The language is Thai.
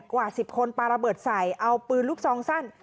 กว่า๑๐คนปลาระเบิดใส่เอาปืนลูกซองสั้น